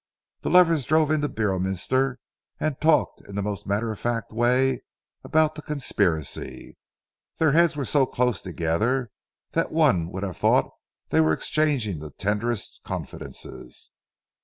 The lovers drove into Beorminster and talked in the most matter of fact way about the conspiracy. Their heads were so close together that one would have thought they were exchanging the tenderest confidences.